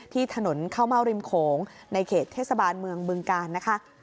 ที่ถนนข้าวเม่าริมโขงในเขตเทศบาลเมืองบึงกาลนะคะ